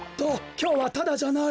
きょうはタダじゃないよ。